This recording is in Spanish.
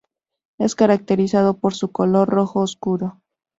Es caracterizado por su color rojo oscuro.